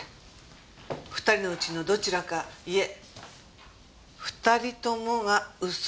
２人のうちのどちらかいえ２人ともが嘘をついている。